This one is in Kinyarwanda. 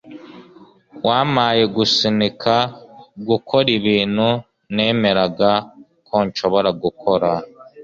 wampaye gusunika gukora ibintu ntemeraga ko nshobora gukora